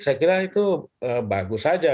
saya kira itu bagus saja